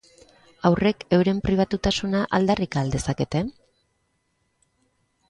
Haurrek euren pribatutasuna aldarrika al dezakete?